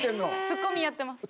ツッコミやってます。